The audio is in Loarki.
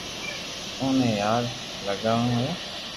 اوئي پار لاگاوئي نويا